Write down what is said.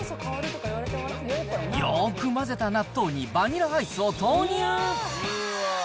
よーく混ぜた納豆にバニラアイスを投入。